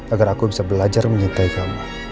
agar aku bisa belajar mencintai kamu